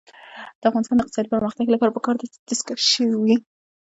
د افغانستان د اقتصادي پرمختګ لپاره پکار ده چې دستکشې وي.